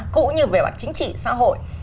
cũng như về mặt chính trị xã hội